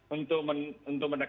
untuk menekan masker